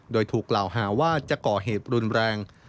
โดยถูกกล่าวหาว่าจะก่อเหตุรุนแรง